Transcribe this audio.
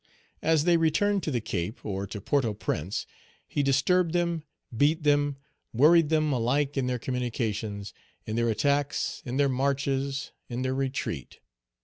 As they returned to the Cape, or to Port au Prince, he disturbed them, beat them, worried them, alike in their communications, in their attacks, in their marches, in their retreat.